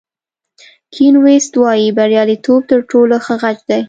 کین ویست وایي بریالیتوب تر ټولو ښه غچ دی.